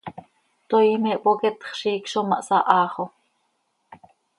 Toii me hpoqueetx, ziic zo ma hsahaa xo.